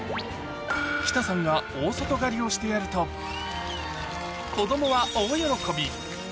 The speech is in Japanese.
北さんが大外刈りをしてやると、子どもは大喜び。